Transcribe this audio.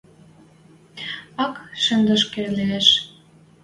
– Ак шӹдешкӹ лиэш?